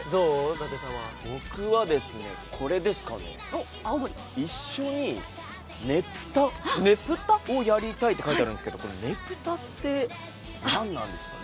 僕はこれですかね、一緒にねぷたをやりたいと書いてありますけど、これ、ねぷたって何なんですかね？